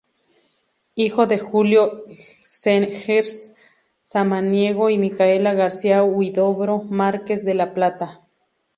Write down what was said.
Hijo de Julio Zegers Samaniego y Micaela García Huidobro Márquez de la Plata.